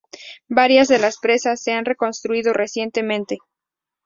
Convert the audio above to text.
Varias de las presas se han reconstruido recientemente.